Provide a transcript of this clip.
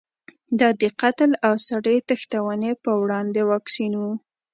دا د قتل او سړي تښتونې په وړاندې واکسین و.